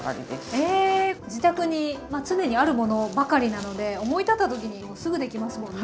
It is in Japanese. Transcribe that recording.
自宅に常にあるものばかりなので思い立ったときにもうすぐできますもんね。